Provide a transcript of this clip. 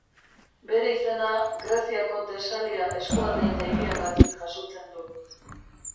Bere izena Greziako Tesalia eskualde eta hiriagatik jasotzen du.